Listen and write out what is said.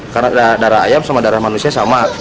karena darah ayam sama darah manusia sama